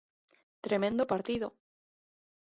Tremendo partido.